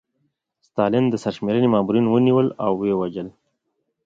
ستالین د سرشمېرنې مامورین ونیول او ووژل.